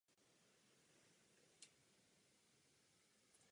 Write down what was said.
Na svých sídlech soustředil bohaté umělecké sbírky.